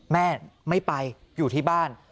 แม่ไม่ไปอยู่ที่บ้าน